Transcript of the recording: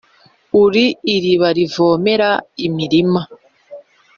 Uri iriba rivomera imirima,